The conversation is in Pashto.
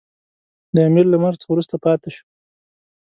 د امیر له مرګ څخه وروسته پاته شو.